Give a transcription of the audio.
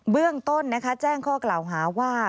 เบื้องต้นแจ้งข้อกล่าวหาว่า